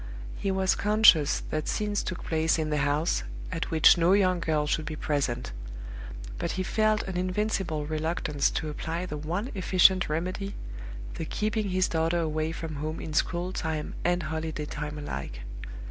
He was conscious that scenes took place in the house at which no young girl should be present; but he felt an invincible reluctance to apply the one efficient remedy the keeping his daughter away from home in school time and holiday time alike.